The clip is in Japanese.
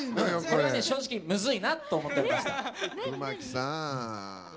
これは正直むずいなと思ってました。